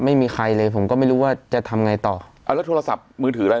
ไม่มีใครเลยผมก็ไม่รู้ว่าจะทำไงต่อเอาแล้วโทรศัพท์มือถืออะไร